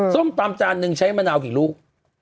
ส้มตำจานนึงใช้มะนาวกี่ลูก